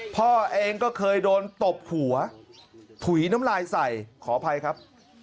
พ่อเองก็เคยโดนตบหัวถุยน้ำลายใส่ขออภัยครับ